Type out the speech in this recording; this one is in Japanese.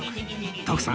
徳さん